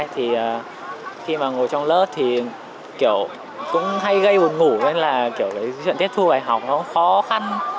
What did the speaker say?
thì khi mà ngồi trong lớp thì kiểu cũng hay gây buồn ngủ nên là kiểu cái chuyện tiết thu bài học nó khó khăn